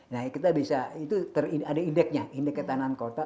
nah kita bisa itu ada indeknya indek ketahanan kota